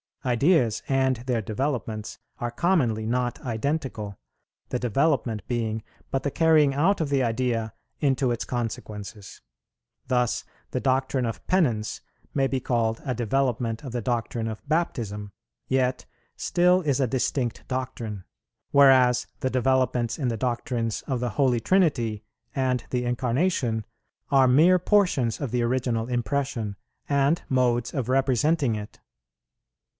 Ideas and their developments are commonly not identical, the development being but the carrying out of the idea into its consequences. Thus the doctrine of Penance may be called a development of the doctrine of Baptism, yet still is a distinct doctrine; whereas the developments in the doctrines of the Holy Trinity and the Incarnation are mere portions of the original impression, and modes of representing it.